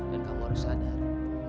dan kamu harus sadar